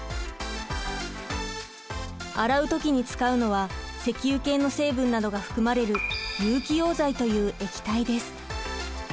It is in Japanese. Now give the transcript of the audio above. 洗う時に使うのは石油系の成分などが含まれる有機溶剤という液体です。